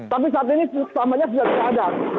tapi saat ini utamanya sudah tidak ada